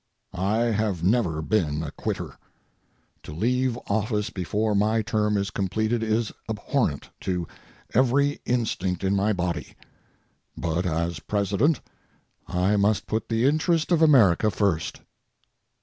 I have never been a quitter. To leave office before my term is completed is abhorrent to every instinct in my body. But as President, I must put the interest of America first.